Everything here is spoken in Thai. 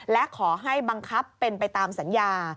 และขอให้บังคับเป็นไปตามสัญญา